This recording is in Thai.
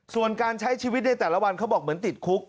ส่วนการใช้ชีวิตในแต่ละวันเขาบอกเหมือนติดคุก